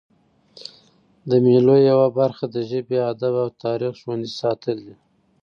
د مېلو یوه برخه د ژبي، ادب او تاریخ ژوندي ساتل دي.